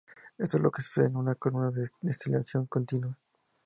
Esto es lo que sucede en una columna de destilación continua.